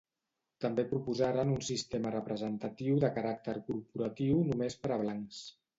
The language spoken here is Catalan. També proposaren un sistema representatiu de caràcter corporatiu només per a blancs.